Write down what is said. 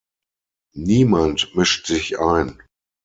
Niemand mischt sich ein.